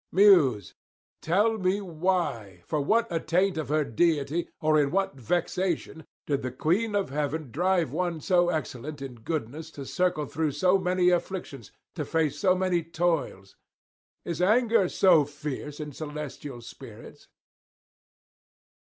Muse, tell me why, for what attaint of her deity, or in what vexation, did the Queen of heaven drive one so excellent in goodness to circle through so many afflictions, to face so many toils? Is anger so fierce in celestial spirits?